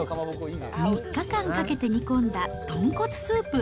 ３日間かけて煮込んだ豚骨スープ。